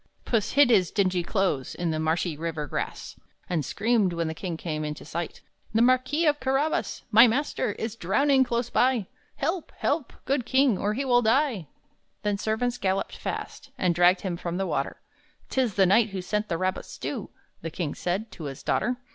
Puss hid his dingy clothes In the marshy river grass. And screamed, when the king came into sight, "The Marquis of Carabas My master is drowning close by! Help! help! good king, or he will die!" Then servants galloped fast, And dragged him from the water. "'Tis the knight who sent the rabbit stew," The king said, to his daughter.